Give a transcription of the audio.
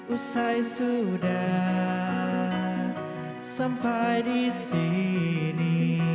usai sudah sampai disini